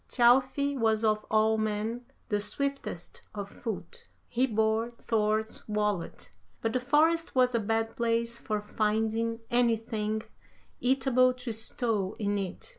Thjalfi was of all men the swiftest of foot. He bore Thor's wallet, but the forest was a bad place for finding anything eatable to stow in it.